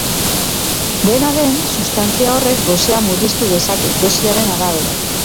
Dena den, substantzia horrek gosea murriztu dezake, dosiaren arabera.